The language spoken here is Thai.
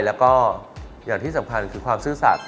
แล้วก็อย่างที่สำคัญคือความซื่อสัตว